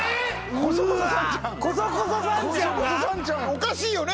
おかしいよね？